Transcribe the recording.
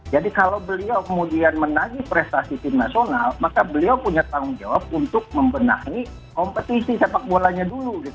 jadi kalau beliau kemudian menangi prestasi tim nasional maka beliau punya tanggung jawab untuk membenahi kompetisi sepak bolanya dulu